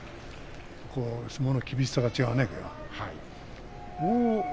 相撲の厳しさが違うね、これは。